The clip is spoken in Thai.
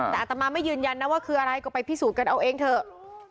แต่อัตมาไม่ยืนยันนะว่าคืออะไรก็ไปพิสูจน์กันเอาเองเถอะ